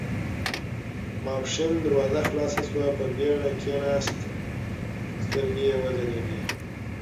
ماسپښين دروازه خلاصه شوه، په بېړه کېناست، سترګې يې وځلېدې.